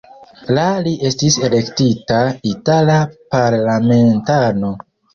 La li estis elektita itala parlamentano.